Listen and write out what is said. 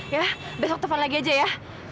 ya besok teman lagi aja ya